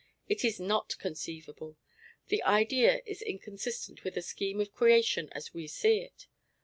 It is NOT conceivable. The idea is inconsistent with the scheme of creation as we see it.